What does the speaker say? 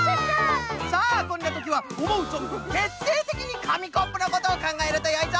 さあこんなときはおもうぞんぶんてっていてきにかみコップのことをかんがえるとよいぞ！